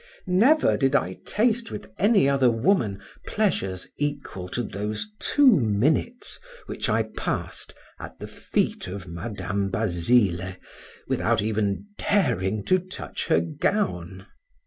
Never did I taste with any other woman pleasures equal to those two minutes which I passed at the feet of Madam Basile without even daring to touch her gown.